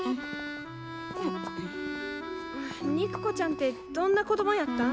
肉子ちゃんってどんな子供やったん？